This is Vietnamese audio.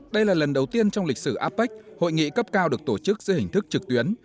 đây là lần đầu tiên trong lịch sử apec hội nghị cấp cao được tổ chức dưới hình thức trực tuyến